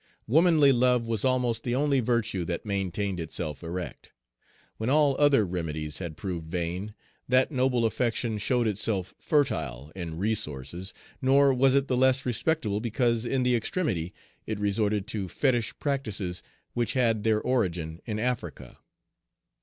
Womanly love was almost the only virtue that maintained itself erect. When all other remedies had proved vain, that noble affection showed itself fertile in resources, nor was it the less respectable because in the extremity it resorted to fetish practices which had their origin in Africa.